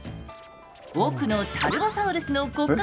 奥のタルボサウルスの骨格